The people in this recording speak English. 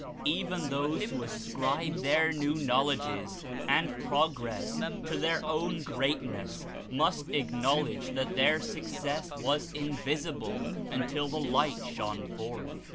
Even those who ascribe their new knowledges and 172 progress to their own greatness must acknowledge that their success was invisible until the Light shone forth.